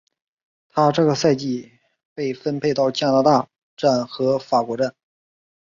她这个赛季被分配到加拿大站和法国站。